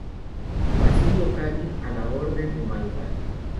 Basilio Cali a la Orden de Malta.